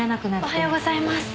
おはようございます。